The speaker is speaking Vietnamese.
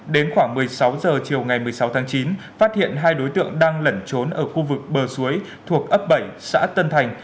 đến khoảng một mươi sáu h chiều ngày một mươi sáu tháng chín phát hiện hai đối tượng đang lẩn trốn ở khu vực bờ suối thuộc ấp bảy xã tân thành